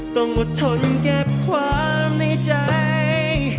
ต้องอดทนเก็บความในใจ